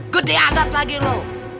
gede adat lagi lu